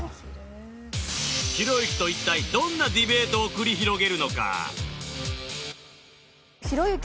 ひろゆきと一体どんなディベートを繰り広げるのか？